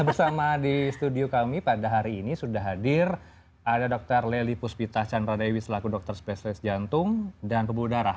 bersama di studio kami pada hari ini sudah hadir ada dr lely puspita chandra dewi selaku dokter spesialis jantung dan pembuluh darah